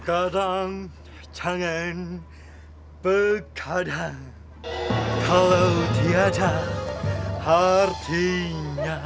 kadang jangan ngekadang kalau tiada harinya